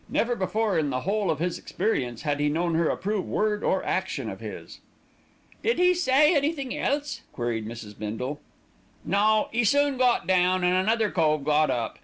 Never before in the whole of his experience had he known her approve word or action of his. "Did he say anything else?" queried Mrs. Bindle. "No; 'e soon got down, an' another cove got up.